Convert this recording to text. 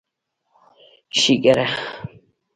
ښېګړه